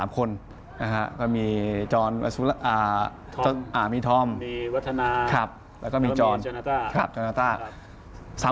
๓คนก็มีทอมวัฒนาแล้วก็มีจอนจอนาตา